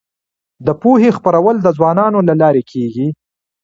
د پوهې خپرول د ځوانانو له لارې کيږي.